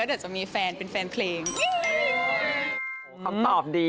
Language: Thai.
เดี๋ยวเลือกอะไร